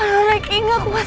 aduh reki gak kuat